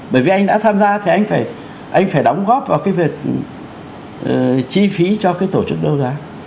bởi vì anh đã tham gia thì anh phải anh phải đóng góp vào cái việc chi phí cho cái tổ chức đấu giá